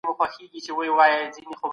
وروسته پاته والی یوازي په کار ختمیږي.